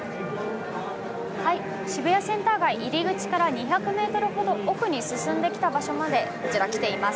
渋谷センター街入り口から２００ｍほど奥に進んできた場所までこちら、来ています。